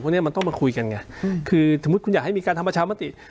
เนี้ยมันต้องมาคุยกันไงคือสมมุติคุณอยากให้มีการทำประชามติ